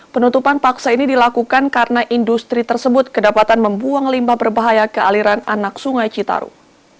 penutupan paksa ini dilakukan karena industri tersebut kedapatan membuang limbah berbahaya ke aliran anak sungai citarum